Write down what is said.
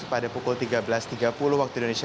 pada pukul tiga belas tiga puluh waktu indonesia